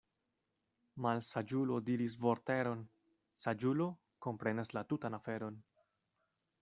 Malsaĝulo diris vorteron, saĝulo komprenas la tutan aferon.